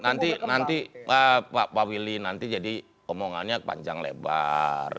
nanti pak willy nanti jadi omongannya panjang lebar